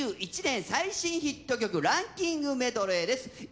最新ヒット曲ランキングメドレーです